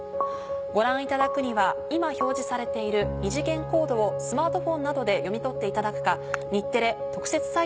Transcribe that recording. ご覧いただくには今表示されている二次元コードをスマートフォンなどで読み取っていただくか。